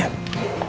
pak jalan hati hati